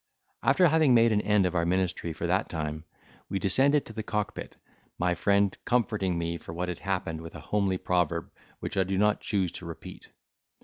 After having made an end of our ministry for that time, we descended to the cockpit, my friend comforting me for what had happened with a homely proverb, which I do not choose to repeat.